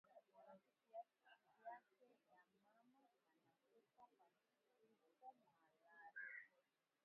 Rafiki yake ya mama ana kufa pashipo malari